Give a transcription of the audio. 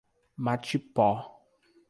Matipó